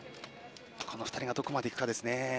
この２人がどこまでいくかですね。